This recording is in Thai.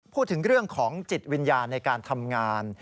พูดถึงเรื่องของจิตวิญญาณในการทำงาน